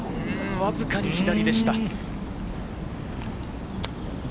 わずかに左でした。